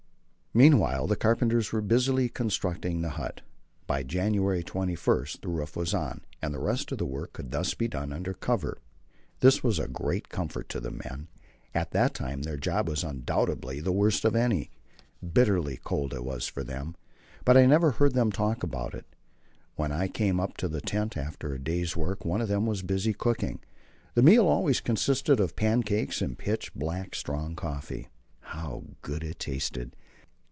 Meanwhile the carpenters were busily constructing the hut. By January 21 the roof was on, and the rest of the work could thus be done under cover. This was a great comfort to the men; at that time their job was undoubtedly the worst of any. Bitterly cold it was for them, but I never heard them talk about it. When I came up to the tent after the day's work, one of them was busy cooking. The meal always consisted of pancakes and pitch black, strong coffee. How good it tasted!